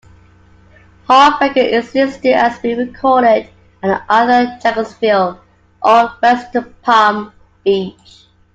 'Heartbreaker' is listed as being recorded at 'either Jacksonville or West Palm Beach'.